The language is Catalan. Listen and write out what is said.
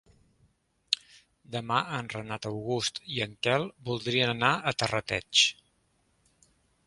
Demà en Renat August i en Quel voldrien anar a Terrateig.